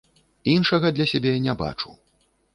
Іншага для сябе не бачу.